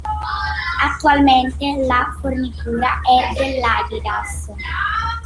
Attualmente la fornitura è dell'Adidas.